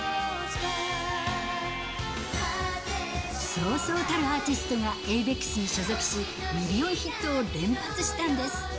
そうそうたるアーティストがａｖｅｘに所属し、ミリオンヒットを連発したんです。